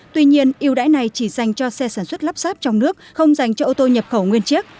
tuy nhiên yêu đáy này chỉ dành cho xe sản xuất lắp sáp trong nước không dành cho ô tô nhập khẩu nguyên chiếc